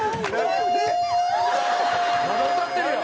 まだ歌ってるやん。